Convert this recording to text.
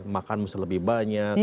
makan mesti lebih banyak